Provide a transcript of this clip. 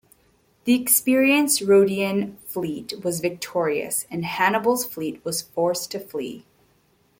The experienced Rhodian fleet was victorious, and Hannibal's fleet was forced to flee.